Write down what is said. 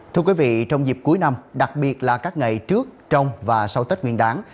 thưa quý vị trong dịp cuối năm đặc biệt là các ngày trước trong và sau tết nguyên đáng